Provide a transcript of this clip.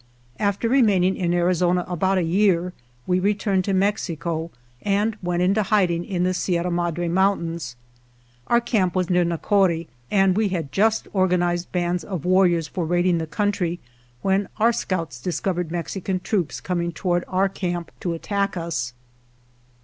After remaining in Arizona about a year we returned to Mexico, and went into hiding in the Sierra Madre Moun tains. Our camp was near Nacori, and we had just organized bands of warriors for raiding the country, when our scouts dis covered Mexican troops coming toward our camp to attack us.